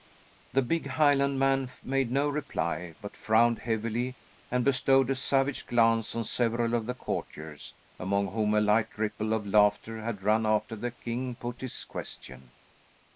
The big Highlandman made no reply, but frowned heavily, and bestowed a savage glance on several of the courtiers, among whom a light ripple of laughter had run after the king put his question.